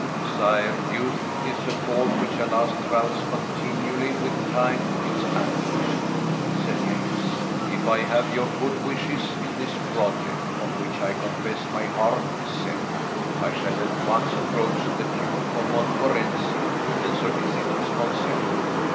"Sire, Youth is a fault, which alas, travels continually with Time, its antidote," said James. "If I have your good wishes in this project, on which, I confess, my heart is set, I shall at once approach the Duke of Montmorency and solicit his consent."